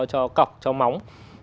cho cọc cho móng